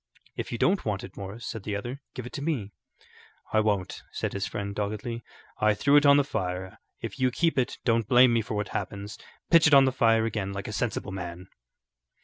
"If you don't want it, Morris," said the other, "give it to me." "I won't," said his friend, doggedly. "I threw it on the fire. If you keep it, don't blame me for what happens. Pitch it on the fire again like a sensible man."